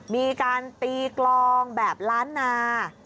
มีการตีกลองแบบล้านนา